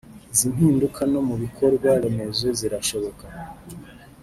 Izi mpinduka no mu bikorwa remezo zirashoboka